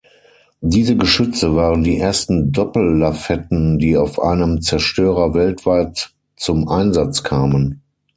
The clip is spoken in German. Diese Geschütze waren die ersten Doppellafetten, die auf einem Zerstörer weltweit zum Einsatz kamen.